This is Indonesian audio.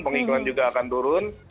pengiklan juga akan turun